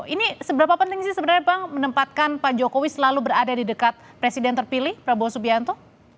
ini seberapa penting sih sebenarnya bang menempatkan pak jokowi selalu berada di dekat presiden terpilih prabowo subianto